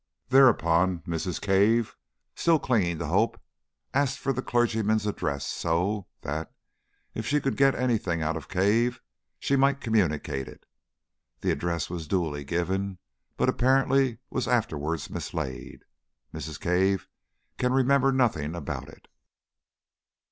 Thereupon Mrs. Cave, still clinging to hope, asked for the clergyman's address, so that, if she could get anything out of Cave, she might communicate it. The address was duly given, but apparently was afterwards mislaid. Mrs. Cave can remember nothing about it.